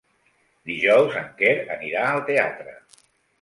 Dijous en Quer anirà al teatre.